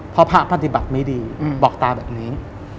เพราะพระปฏิบัติไม่ดีบอกตาแบบนี้